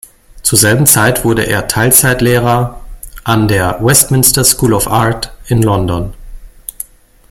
Zur selben Zeit wurde er Teilzeit-Lehrer an der "Westminster School of Art" in London.